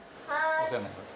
お世話になります。